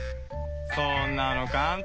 そんなのかん単。